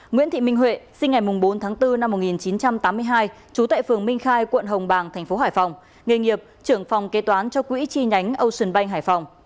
nguyễn thị minh huệ sinh ngày bốn tháng bốn năm một nghìn chín trăm tám mươi hai trú tại phường minh khai quận hồng bàng tp hải phòng nghề nghiệp trưởng phòng kế toán cho quỹ chi nhánh ocean bank hải phòng